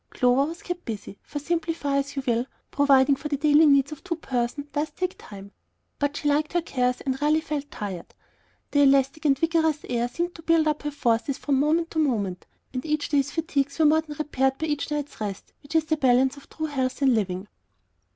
Clover was kept busy, for simplify as you will, providing for the daily needs of two persons does take time; but she liked her cares and rarely felt tired. The elastic and vigorous air seemed to build up her forces from moment to moment, and each day's fatigues were more than repaired by each night's rest, which is the balance of true health in living.